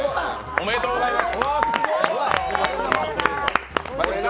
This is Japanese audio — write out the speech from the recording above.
おめでとうございます！